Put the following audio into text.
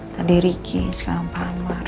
tadi ricky sekarang pak amar